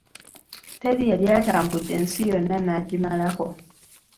Teri yali atambudde nsi yonna n'agimalako.